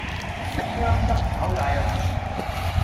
薑汁炒芥蘭